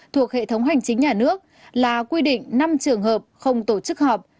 thuộc hệ thống hành chính nhà nước là quy định năm trường hợp không tổ chức họp